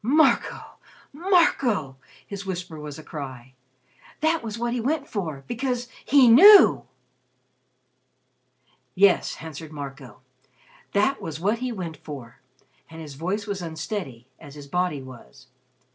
"Marco! Marco!" his whisper was a cry. "That was what he went for because he knew!" "Yes," answered Marco, "that was what he went for." And his voice was unsteady, as his body was.